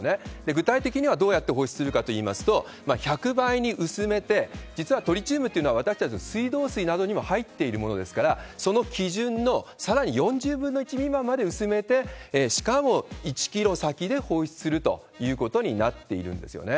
具体的にはどうやって放出するかといいますと、１００倍に薄めて、実はトリチウムっていうのは私たちの水道水などにも入っているものですから、その基準のさらに４０分の１未満まで薄めて、しかも１キロ先で放出するということになっているんですよね。